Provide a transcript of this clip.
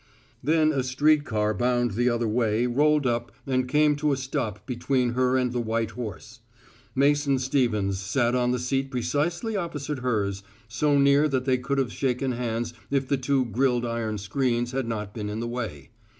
Then a street car bound the other way rolled up and came to a stop between her and the white horse. Mason Stevens sat on the seat precisely opposite hers, so near that they could have shaken hands if the two grilled iron screens had not been in the way.